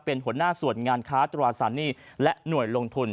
เป็นหัวหน้าส่วนงานค้าตราสารหนี้และหน่วยลงทุน